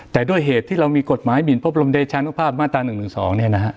แต่ด้วยเหตุที่เรามีกฎหมายหมินพบรมเดชานุภาพมาตรา๑๑๒เนี่ยนะฮะ